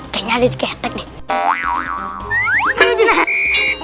kayaknya ada di ketek nih